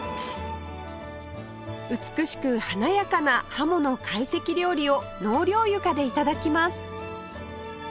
美しく華やかなハモの会席料理を納涼床で頂きます